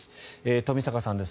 冨坂さんです。